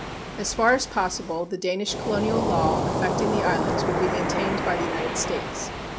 As far as possible, the Danish Colonial Law affecting the islands will be maintained by the United States.